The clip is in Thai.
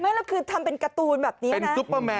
ไม่แล้วคือทำเป็นการ์ตูนแบบนี้นะ